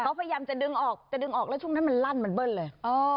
เขาพยายามจะดึงออกจะดึงออกแล้วช่วงนั้นมันลั่นมันเบิ้ลเลย